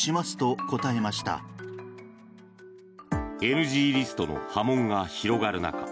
ＮＧリストの波紋が広がる中